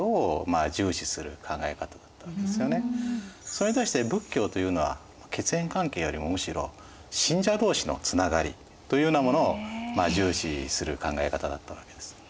それに対して仏教というのは血縁関係よりもむしろ信者同士のつながりというようなものを重視する考え方だったわけです。